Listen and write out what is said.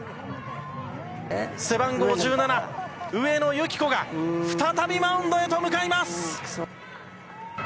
背番号１７、上野由岐子が、再びマウンドへと向かいます。